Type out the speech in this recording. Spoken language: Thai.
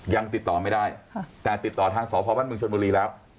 ยังติดต่อไม่ได้แต่ติดต่อทางสพบ้านเมืองชนบุรีแล้ว